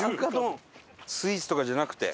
スイーツとかじゃなくて？